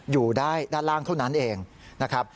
อยู่ได้ด้านล่างเท่านั้นเองนะครับ